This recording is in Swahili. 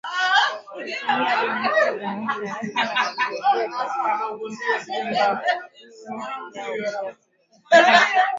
kutumia bunduki za rashasha na kurejea katika vituo vyao bila kuumia